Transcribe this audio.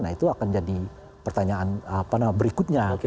nah itu akan jadi pertanyaan berikutnya